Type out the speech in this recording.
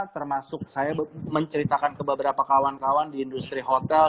termasuk saya menceritakan ke beberapa kawan kawan di industri hotel